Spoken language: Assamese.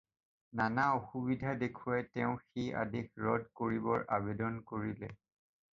নানা অসুবিধা দেখুৱাই তেওঁ সেই আদেশ ৰদ কৰিবৰ আবেদন কৰিলে।